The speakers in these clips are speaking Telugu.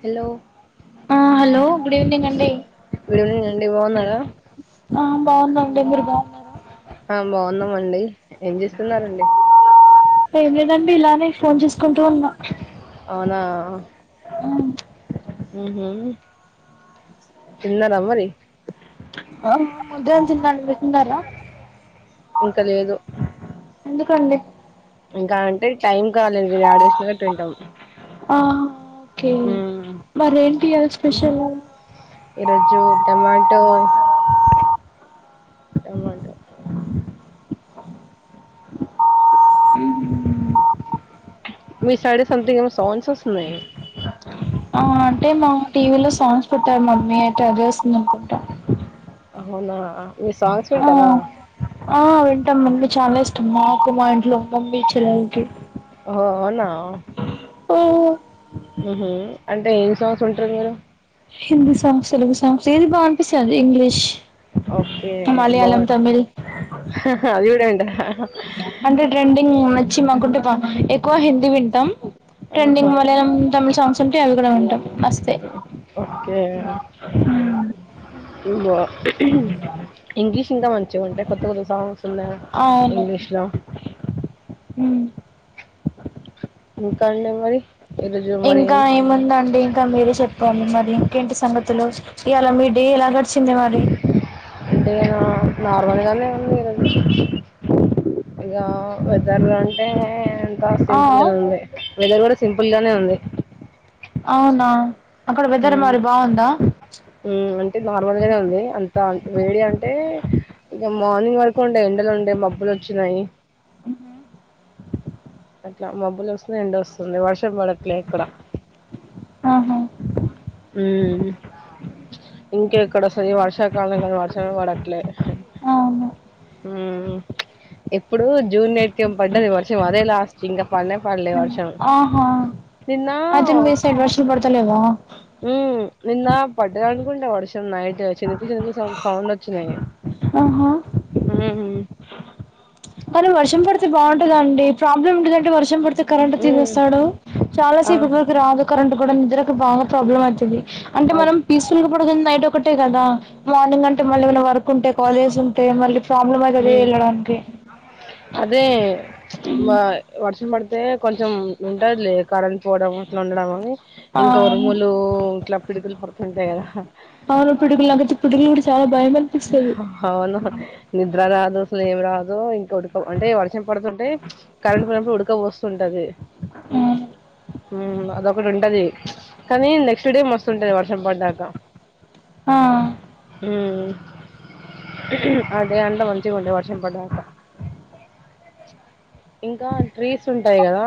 హలో ఆ హలో గుడ్ ఈవినింగ్ అండి ఆ బాగున్నం మీరు బాగున్నారా ఆ బాగున్నాం అండి ఏం లేదండి ఇలానే ఫోన్ చేసుకుంటూ ఉన్నం అవునా అవు మ్మ్ హ్హ్ తిన్నారా మరి పొద్దునుంచి తిన్న మీరు తిన్నారా ఇంకా లేదు ఎందుకండి ఇంకా అంటే టైం కాలేదులే ఆడచ్చకా తింటాం ఆ ఓకే మరెంటి ఇయ్యాల స్పెషల్ ఈరోజు టమాటో టమాట మీ సైడ్ సంథింగ్ సౌండ్స్ వస్తున్నాయి ఆ అంటే మా టీవీలో సాంగ్స్ పెట్టారు మమ్మి అయితే అది చూస్తుంది అనుకుంటా అవునా ఆ ఆ వింటాం చాలా ఇష్టం మాకు మా ఇంట్లో మమ్మీ చెల్లలకి అవునా ఆ మ్మ్ హ్ అంటే ఏం సాంగ్స్ వింటారు మీరు హిందీ సాంగ్స్ తెలుగు సాంగ్స్ ఏది బాగా అనిపిస్తే అది ఇంగ్లీష్ ఓకే బాగుంటాయి అవి చూడండి అంటే ట్రెండింగ్ నచ్చి మాకుటుంబం ఎక్కువ హిందీ వింటాం ట్రెండింగ్ మలయాళం తమిళ్ సాంగ్స్ ఉంటే అవి కూడా ఉంటాం ఓకే ఇంగ్లీష్ ఇంకా మంచిగా ఉంటాయి కొత్త కొత్త సాంగ్స్ ఉన్న ఇంగ్లీష్ లో ఇంకా అండి మరి ఇంకా ఏముందండి ఇంకా మీరే చెప్పాలి మరి ఇంకేంటి సంగతులు ఇవ్వాలా మీ డే ఏలా గడిచింది మరి డే నా నార్మల్గానే ఉంది ఈరోజు ఇగా వెదర్ అంటే సింపుల్ గానే ఉంది వెదర్ కూడా సింపుల్ గానే ఉంది అవునా అక్కడ వెదర్ మరి బాగుందా నార్మల్గానే ఉంది అంత వేడి అంటే ఇగ మార్నింగ్ వరకు ఉండే ఎండలు ఉండే మబ్బులు వచ్చినయి అట్లా మబ్బులు వస్తున్నాయి ఎండ వస్తుంది వర్షం పడట్లేదు ఇక్కడ ఆహా హ్మ్ ఇంకెక్కడ వస్తది వర్షాకాలం కానీ వర్షాలు పడట్లే హ్మ్ ఎప్పుడు జూన్ నైట్ ఎం పడ్డది వర్షం అదే లాస్ట్ ఇంకా పన్నే పడ్లే వర్షం నిన్న మ్ నిన్న పడ్డద అనుకుంటా వర్షం నైట్ చినుకులు చినుకులు సౌండ్ వచ్చినాయి ఆహా మ్ కానీ వర్షం పడితే బావుంటదండి ప్రాబ్లమ్ ఉంటదంటే వర్షం పడి కరెంట్ తీసెస్తాడు చాలా సేపటి వరకు రాదు కరెంట్ కూడా నిద్రకు బాగా ప్రాబ్లం అయితది అంటే మనం పీస్ ఫుల్ నైట్ ఒకటే కదా మార్నింగ్ అంటే మళ్ళీ ఏవన్న వర్క్ ఉంటే కాలేజ్ ఉంటే మళ్ళీ ప్రాబ్లం మే కద ఎళ్ళడానికి అదే వ వర్షం పడి తే కొంచెం ఉంటదిలే కరెంట్ పోడము అట్లా ఉండడం అని ఇంకా ఉరుములు ఇంట్లా పిడుగులు పడుతుంటాయి కదా అవును పిడుగులగ తిప్పుతుని చాలా భయం అవును నిద్ర రాదు అసలు ఏం రాదు ఇంక ఉడుక అంటే వర్షం పడుతు అంటే కరెంట్ పోయినప్పుడు ఉడక వస్తుంటది మ్ అదొకటి ఉంటది కానీ నెక్స్ట్ డే మస్తుంటది వర్షం పడ్డాక మ్ అదే అంతా మంచిగా ఉండే వర్షం పడ్డాక ఇంకా ట్రీస్ ఉంటాయి కదా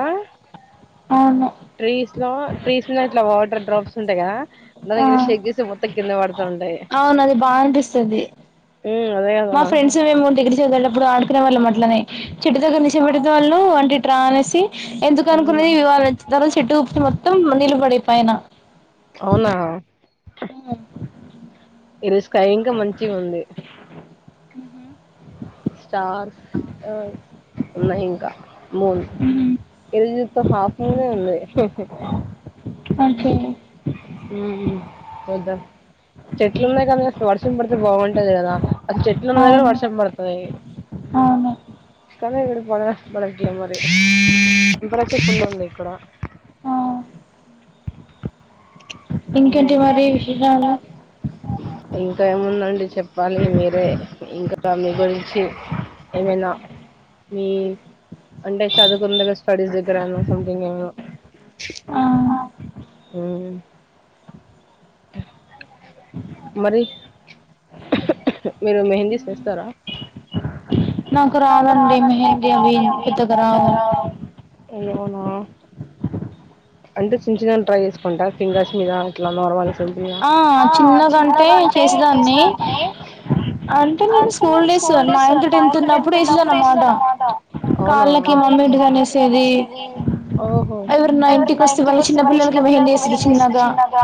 ట్రీస్ లో ట్రీస్ ఇట్లా వాటర్ డ్రాప్స్ ఉంటాయి కదా దాని గిల షెక్ చేస్తే మొత్తం కింద వడతుంది అవును అది బా అనిపిస్తుంది మా ఫ్రెండ్స్ మేము దగ్గర చెగుళ్ళ అప్పుడు ఆడుకునే వాళ్ళం అట్లనే చెట్టు దగ్గర చెయి పెడితే వాళ్ళు ళ్ళు అంటు ఇటు రానేసి ఎందుకు అనుకున్నది ఇవాళ ఎత్తుతర చెట్టు ఊప్పు మొత్తం నీళ్ళు బడేయి పైన అవునా ఈ రోజు స్కై ఇంకా మంచిగా ఉంది స్టార్స్ ఉన్నాయి ఇంకా మూన్ ఎల్ జాత్తే హాఫ్ మూనే ఉంది ఓకే చెట్లు ఉన్నాయి కాద వర్షం పడితే బాగుంటది కదా అది చెట్లు ఉన్న దగ్గర వర్షం పడతది కాని ఇక్కడ పడాలి పడట్లే మరి ఇక్కడ చెట్టు ఉండాలి ఇక్కడ ఇంకేంటి మరి విషేషాలు ఇంకా ఏముందండి చెప్పాలి మీరే ఇంకా మీ గురించి ఏమైనా మీ అంటే చదువుకున్ దగ్గర స్టడీస్ దగ్గర అయిన సంథింగ్ ఏమైన అ మ్ మరి మీరు మెహందీస్ వేస్తారా నాకు రాదండి మోహిందీ అవి పెద్దగ రావు అయ్యో అవునా అంటే చిన్న చిన్న ట్రై చేసుకుంటా ఫింగర్స్ మీద ఇట్లా నార్మల్ ఆ చిన్నగంటే చేసేదాన్ని అంటే నేను స్కూల్ డేస్ నైన్త్ టెన్త్ ఉన్నప్పుడు ఎసేది అనమాట అవునా కాళ్ళకి మంది ఎందుకు గనేసేది ఓహో ఎవరన్నా ఇంటికి వస్తే చిన్న పిల్లలకి మెహందీ ఎస్తంది చిన్నగా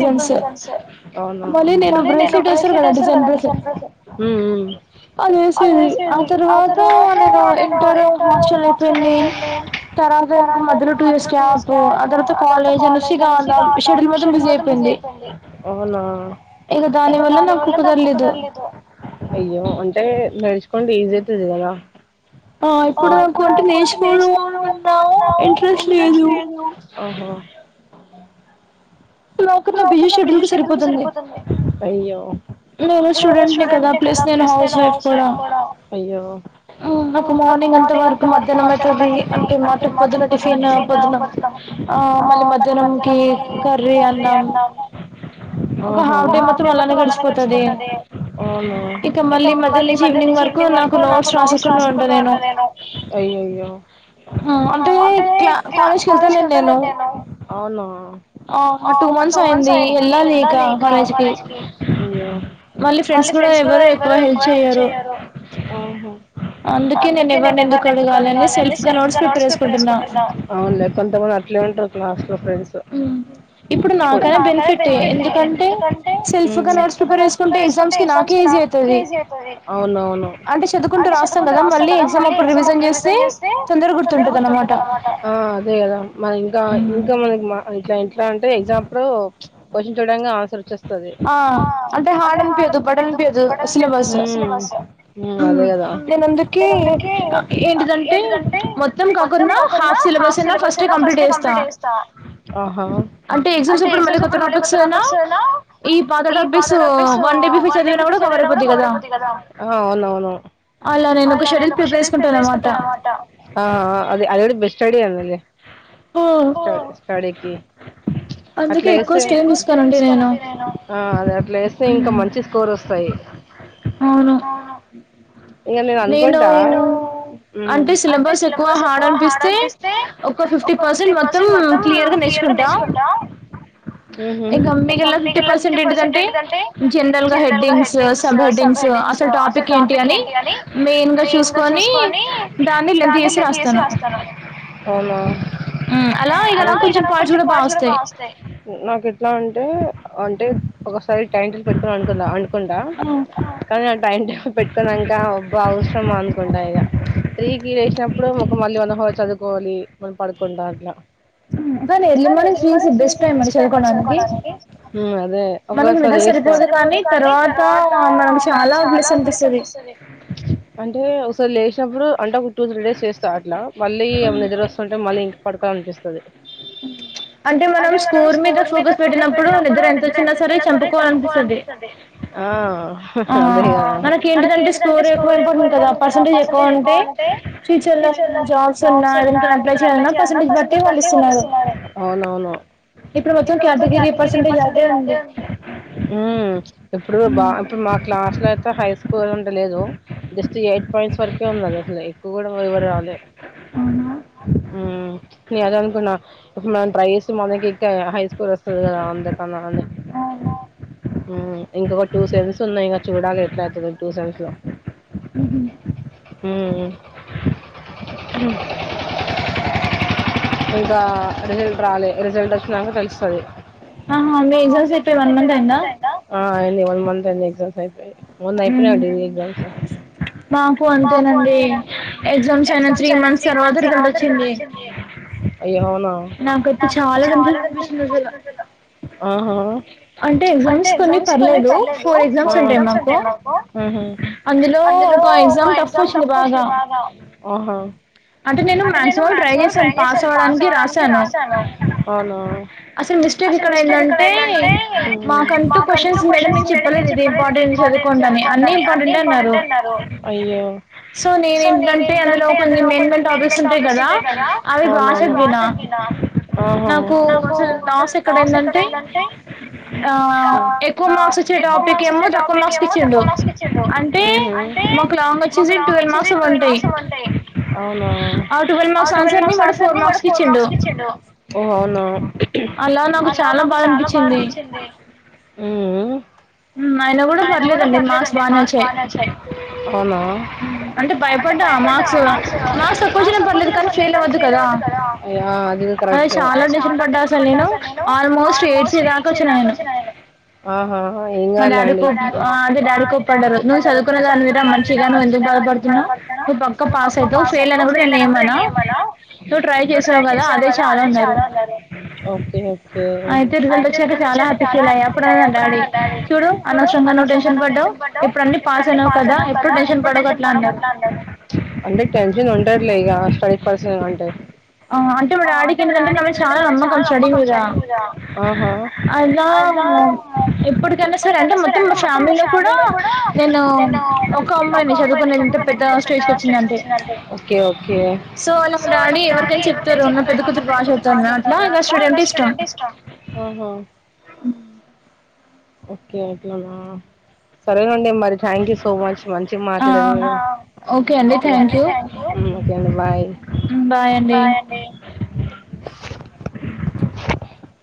సింపుల్ డిజైన్స్ యే అవునా మళ్ళీ నేను డ్రెస్ ఎట్టేస్తారు కదా డిజైన్ డ్రెస్ మ్.. అదేసేది ఆ తర్వాత నేను ఇంటర్ హాస్టల్ అయిపోయింది తర్వాత ఇంకా మధ్యలో టూ ఇయర్స్ గ్యాపు ఆ తర్వాత కాలేజ్ అనేసి గాందాం షెడ్యూల్ మొత్తం బిజీ అయిపోయింది అవునా అయ్యో అం టే నడుచుకోంటే ఈజీ అయితాది కదా ఆ ఇప్పుడు నాకు అంటే నేర్చుకోను [unintelligible] ఇంట్రెస్ట్ లేదు నాకున్న బిజీ షెడ్యూల్ కి సరిపోతుంది అయ్యో నేను స్టూడెంట్‌ ని కదా నేను ప్లస్ హౌస్ వైఫ్ కూడా ఆ నాకు మార్నింగ్ అంత వర్క్ మధ్యాహ్నం అయితది అంటే మటుకు పొద్దున టిఫైన్ పొద్దున ఆ మళ్ళీ మధ్యాహ్నం కి ఇంకా రీ అండం కాల్ టైం మొత్తం అలానే గడిపోతది ఇక మళ్ళీ మధ్యాహ్నం నుంచి ఈవినింగ్ వరకు నాకు నోట్స్ రాసికున ఉంటుందేమో అంటే క్లా కాలేజ్ కి ఎళ్తాలేను నేను ఆ టూ మంత్స్ అయింది ఎల్లలి ఇక కాలేజ్ కి మళ్ళీ ఫ్రెండ్స్ కూడా ఎవరు ఎక్కువ హెల్ప్ చెయ్యారు అందుకే నేను ఎవర్ని ఎందుకు అడగాలని సెల్ఫ్ గా నోట్స్ ప్రిపేర్ చేసుకుంటున్నా అట్లే ఉంటారు క్లాస్ లో ఫ్రెండ్స్ ఇప్పుడు నాకైనా బెనిఫిటే ఎందుకంటే సెల్ఫ్ గా నోట్స్ ప్రిపేర్ చేసుకుంటే ఎగ్జామ్స్ కి నా కే ఈజీ అయితది అవునవును అంటే చదువుకుంటూ రాస్తాం కదా మళ్ళీ ఎగ్జామ్ అపుడు రివిజన్ చేస్తే తొందర గుర్తుంటాదన్నమాట ఆ అదే కదా మరి ఇంకా ఇంకా మా ఇట్లా ఇట్లా అంటే ఎగ్జామ్ అప్పుడు క్వశ్చన్ చూడన్గ ఆన్సర్ వచ్చే స్తాది ఆ అంటే హార్డ్ అనిపియదు బర్డ్ అనిపియదు సిలబస్ ఉహ్మ్ అదే కదా మ్మ్ నేను అందుకే ఏంటిదంటే మొత్తం కాకున్నా హాఫ్ సిలబస్ న ఫస్టే కంప్లీట్ చేస్తా అంటే ఎగ్జామ్స్ అప్పుడు మళ్లీ కొత్త టాపిక్స్ అయినా ఈ పాత టాపిక్సు వన్డే బిఫోర్ చదివినా కూడా కవర్ అయిపోద్ది కదా అవునవును అలా నేను ఒక షెడ్యూల్ ప్రిపేర్ చేసుకుంటానన్నమాట ఆఆ అదే అదే బె స్ట్ ఐడియా స్టడీ స్టడీకి అట్లా చేస్తే ఆ అదే అట్లా చేస్తే ఇంకా మంచి స్కోర్ వస్తాయి అవును ఇంగ నేను అనుకుంటా అంటే సిలబస్ ఎక్కువ హార్డ్ అనిపిస్తే ఒక ఫిఫ్టీ పర్సెంట్ మొత్తం క్లియర్ గా నేర్చుకుంటా ఇంకా మిగిలిన ఫిఫ్టీ పర్సెంట్ ఏంటిదంటే జనరల్ గా హెడ్డింగ్ స బ్ హెడ్డింగ్స్ అసలు టాపిక్ ఏంటి అని మెయిన్ గా చూసుకొని దాన్ని లింక్ చేసి రాస్తాను అవునా ఉమ్మ్ అలా ఇగ నాకు కొంచెం పాయిట్స్ కూడా పాయింట్స్ కూడా బాగోస్తాయి నాకు ఎట్లా అంటే అంటే ఒక్కోసారి టైం టేబుల్ పెట్టుకుంటనుకుంటా అనుకుంటా కానీ ఆ టైం టేబుల్ పెట్టుకున్నంకా అబ్బా అవసరమా అనుకుంటా ఇగ త్రీకి లేసినప్పుడు మొఖం మల్లి వనహో చదువుకోవాలి మల్లి పడుకుంటా అట్లా ఇంకా నేజీమెర్ సిసి బెస్ట్ టైం కదా చదువుకోవడానికి ఉమ్మ్ అదే [unintelligible] కానీ తర్వాత మనది చాలా బ్లెస్ అనిపిస్తాది అంటే తో లేసినప్పుడు అంటే ఒక టూ త్రీ డేస్ చేస్తా అట్ల మళ్ళీ ఎమో నిదరోస్తుంటే మళ్ళి ఇంక పడుకోవాలనిపి స్తది అంటే మనం స్కూర్ మీద ఫోకస్ పెట్టినప్పుడు నిద్ర ఎంత వచ్చినా సరే చంపుకోవాలనిస్తది ఆ ఆహా అదే కదా మనకి ఏంటిదంటే స్కోర్ ఎక్కువ ఇంపార్టెంట్ కదా పర్సంటేజ్ ఎక్కువ అంటే ఫ్యూచర్ లో ఏమన్నా జాబ్స్ ఉన్నా ఏ దాని కన్నా అప్లై చేయాలన్నా పర్సంటేజ్ బట్టి వాళ్ళు ఇస్తున్నారు అవునవును ఇప్పుడు మొత్తం కేటగిరీ పర్సంటేజ్ అదే ఉంది ఇప్పుడు బా ఇప్పుడు మా క్లాస్ లో అయితే హై స్కోర్ స్కోర్ ఎక్కువంట లేదు జస్ట్ ఎయిట్ పాయింట్స్ వరకే ఉన్నది అసలు ఎక్కువ కూడా ఎవరు రాలే ఔనా ఉమ్ నేను అదే అనుకున్నా ఇ మనం ట్రై చేస్తే మనకి ఇంకా హై స్కోర్ వస్తది కదా అందరికన్నా అని ఉమ్ ఇంకొక టూ సెమ్స్ ఉన్నాయి ఇంకా చూడాలి ఎట్లా అవుతుంది టూ సెమ్స్ లో ఉమ్ ఇంకా రిజల్ట్ రాలే రిజల్ట్ వచ్చినాక తెలుస్తది ఉమ్ ఎగ్జామ్స్ రాసి వన్ మంత్ అయ్యిందా ఆ అయ్యింది వన్ మంత్ అయ్యింది ఎగ్జామ్స్ అయిపోయి మొన్న అయిపోనాయి అండీ డిగ్రీ ఎగ్జామ్స్ మాకు అంతేనండి ఎగ్జామ్స్ అయిన త్రీ మంత్స్ తర్వాత ఇక రిజల్ట్ వచ్చింది అయ్యో నాకైతే చాలా కన్ఫ్యూస్ అనిపించింది అసలా హ్మ్ హు అంటే ఎగ్జామ్స్ కొన్ని పర్లేదు ఊ ఫోర్ ఎగ్జామ్స్ ఉంటాయి మాకు హ్మ్ హు అందులో ఒక ఎగ్జామ్ టఫ్ వచ్చింది బాగా ఆహా అంటే నేను మాక్సిమం ట్రై చేసాను పాస్ అవ్వడానికి రాసాను ఔనా అసలు మిస్టేక్ ఇక్కడ అయ్యిందంటే ఉమ్ మాకు అంటూ క్వశ్చన్స్ మేడం మేము చెప్పలేదు ఇది ఇంపార్టెంట్ చదువుకోని అన్ని ఇంపార్టెంట్ ఏ అన్నారు అయ్యో సో నేను ఏంటంటే అందులో కొన్ని మెయిన్ మెయిన్ టాపిక్స్ ఉంటాయ్ కదా అవునవును అవి రాసి చదివిన నాకు అసలు లాస్ ఎక్కడైందంటే ఆ ఎక్కువ మార్క్స్ ఇచ్చే టాపిక్ ఏమో తక్కువ మార్స్‌కి ఇచ్చిండు హ్మ్ హు అండ్ అంటే మాకు లాంగ్ వచ్చేసి టువ్వాల్ మార్క్స్‌వి ఉంటాయ్ ఔనా అవి ట్వల్వ్ మార్క్స్ క్వశ్చన్స్ అన్ని వాడు ఫోర్ మార్క్స్‌కి ఇచ్చిండు ఓహో ఔనా అలా నాకు చాలా బాధ అనిపించింది హ్మ్ ఆయిన కూడా పర్లేదండి మార్క్స్ బాగానే వచ్చాయ్ ఔనా అంటే భయపడ్డా మార్క్స్ మార్క్స్ తక్కువొచ్చిన పర్లేదు కానీ ఫెయిల్ అవ్వొద్దు కదా యా అది కూడా కరెక్టే అదే చాలా టెన్షన్ పడ్డా అసలు నేను ఆల్మోస్ట్ ఏడ్చేదాక వచ్చిన నేను ఆహా హ ఏం కాదులే అండి మా డాడీ కోప్ అదే డాడీ కోప్పడ్డారు నువ్ చదువుకునే దానివి కదా మంచిగానే ఎందుకు బాధపడుతున్నవ్ నువు పక్క పాస్ అయితావ్ ఫెయిల్ అయినా కూడా నేను ఏమన నువ్వు ట్రై చేశావు కదా అదే చాలు అన్నారు ఓకే ఓకే అయితే రిజల్ట్ వచ్చాక చాలా హ్యాపీగా ఫీలయ్యా అప్పుడు అన్నాడు డాడీ అనవసరంగా నువ్ టెన్షన్ పడ్డావ్ ఇప్పుడు అన్ని పాస్ అయినవు కదా ఎప్పుడు టెన్షన్ పడకు అట్లా అన్నాడు అంటే టెన్షన్ ఉంటాదిలే ఇక స్టడీ పర్సన్ అంటే ఆ అంటే మా డాడీకి ఎందుకంటే నా మీద చాలా నమ్మకం స్టడీ మీద ఆహా హ అదా ఎప్పుటికైనా సరే అంటే మొత్తం మొత్తం మా ఫ్యామిలీలో కూడా నేను ఒక అమ్మాయిని చదువుకొని ఇంత పెద్ద స్టేజ్‌కి వచ్చిందంటే దంటే ఓకే ఓకే సో నాకు చాలా అనీ ఎవరికైనా చెప్తారు మా పెద్ద కూతురు బాగా చదువుతాంద అట్ల స్టడీ అంటే ఇష్టం హ్మ్ హు ఓకే ఓకే అట్లనా సరే నండి డి మరి థ్యాంక్ యూ సో మచ్ మంచిగా మాట్లడిండ్రు ఓకే అండి థాంక్యూ ఓకే అండి బాయ్ బాయ్ అండి [inaudible]